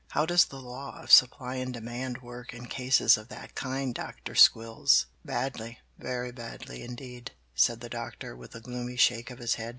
How does the law of supply and demand work in cases of that kind, Doctor Squills?" "Badly very badly, indeed," said the Doctor, with a gloomy shake of his head.